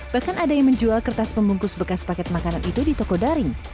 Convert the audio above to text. bahkan ada yang menjual kertas pembungkus bekas paket makanan itu di toko daring